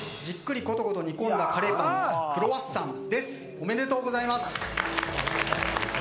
おめでとうございます！